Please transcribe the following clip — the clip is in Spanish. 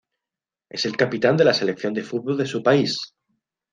Es el capitán de la selección de fútbol de su país.